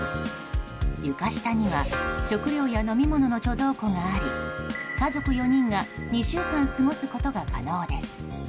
床下には食料や飲み物の貯蔵庫があり家族４人が２週間過ごすことが可能です。